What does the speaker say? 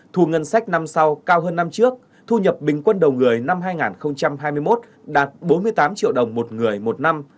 thu ngân sách năm sau cao hơn năm trước thu nhập bình quân đầu người năm hai nghìn hai mươi một đạt bốn mươi tám triệu đồng một người một năm